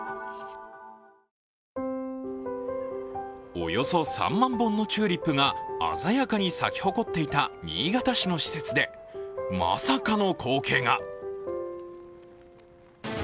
およそ３万本のチューリップが鮮やかに咲き誇っていた新潟市の施設でまさかの光景が。